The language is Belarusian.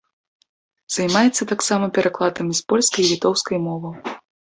Займаецца таксама перакладамі з польскай і літоўскай моваў.